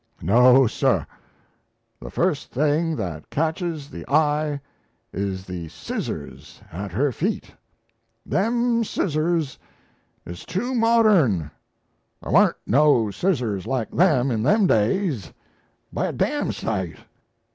No, sir. The first thing that catches the eye is the scissors at her feet. Them scissors is too modern; thar warn't no scissors like them in them days by a d d sight."